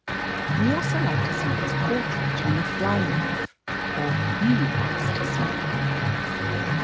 We also like to see his portrait on the fly leaf or HE likes to see it there.